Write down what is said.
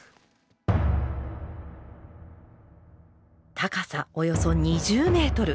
高さおよそ２０メートル